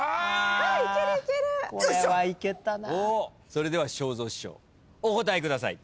それでは正蔵師匠お答えください。